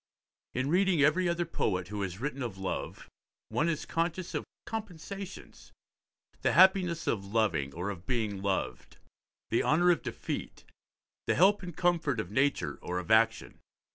In reading every other poet who has written of love one is conscious of compensations: the happiness of loving or of being loved, the honour of defeat, the help and comfort of nature or of action.